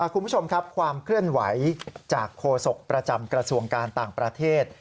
คุณผู้ชมครับความเคลื่อนไหวจากโฆษกประจำกระทรวงการต่างประเทศ